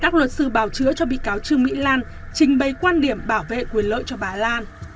các luật sư bảo chữa cho bị cáo trương mỹ lan trình bày quan điểm bảo vệ quyền lợi cho bà lan